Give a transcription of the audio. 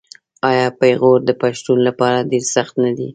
آیا پېغور د پښتون لپاره ډیر سخت نه دی؟